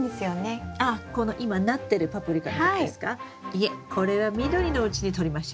いえこれは緑のうちにとりましょう。